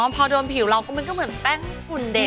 พอโดนผิวเราก็มันก็เหมือนแป้งฝุ่นเด็ด